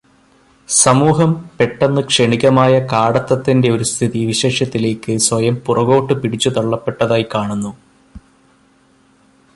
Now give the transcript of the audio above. സമൂഹം പെട്ടെന്ന് ക്ഷണികമായ കാടത്തത്തിന്റെ ഒരു സ്ഥിതി വിശേഷത്തിലേയ്ക്ക് സ്വയം പുറകോട്ടു പിടിച്ചുതള്ളപ്പെട്ടതായി കാണുന്നു.